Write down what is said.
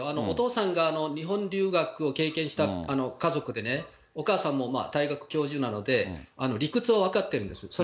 お父さんが日本留学を経験した家族でね、お母さんも大学教授なので、理屈は分かっているんです。